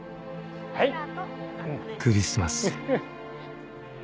［クリスマス］